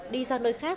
đi ra nơi khác